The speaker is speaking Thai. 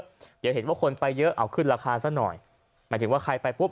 เดี๋ยวเห็นว่าคนไปเยอะเอาขึ้นราคาซะหน่อยหมายถึงว่าใครไปปุ๊บ